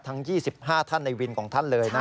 ทั้ง๒๕ท่านในวินของท่านเลยนะ